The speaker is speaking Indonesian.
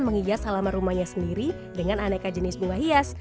menghias halaman rumahnya sendiri dengan aneka jenis bunga hias